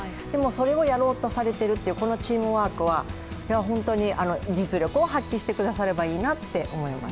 それをやろうとされてるっていうこのチームワークは本当に実力を発揮してくださればいいなと思います。